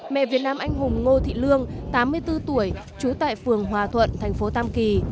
mẹ việt nam anh hùng ngô thị lương tám mươi bốn tuổi trú tại phường hòa thuận thành phố tam kỳ